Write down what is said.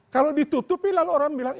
kalau ditutupi lalu orang bilang